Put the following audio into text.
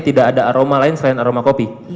tidak ada aroma lain selain aroma kopi